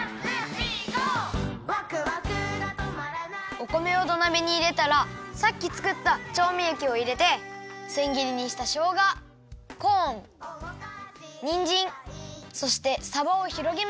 お米を土鍋にいれたらさっきつくったちょうみえきをいれてせん切りにしたしょうがコーンにんじんそしてさばをひろげます。